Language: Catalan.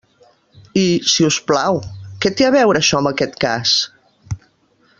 I, si us plau, ¿què té a veure això amb aquest cas?